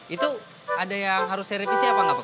itu ada yang harus saya revisi apa nggak pak